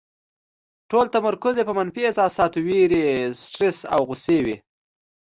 ټول تمرکز یې په منفي احساساتو، وېرې، سټرس او غوسې وي.